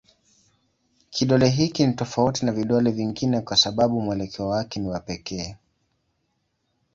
Kidole hiki ni tofauti na vidole vingine kwa sababu mwelekeo wake ni wa pekee.